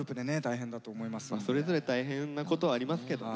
それぞれ大変なことはありますけどね。